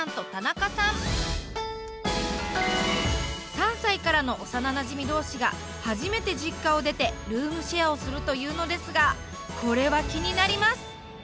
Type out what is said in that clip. ３歳からの幼なじみ同士が初めて実家を出てルームシェアをするというのですがこれは気になります！